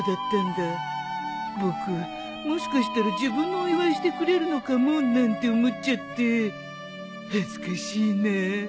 僕もしかしたら自分のお祝いしてくれるのかもなんて思っちゃって恥ずかしいなあ